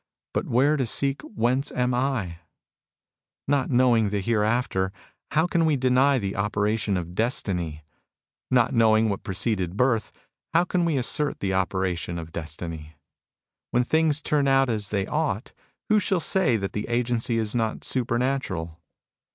But where to seek whence am I ? Not knowing the hereafter, how can we deny the operation of Destiny ? Not knowing what preceded birth, how can we assert the operation of Destiny ? When things turn out as they ought, who shall say that the agency is not supernatural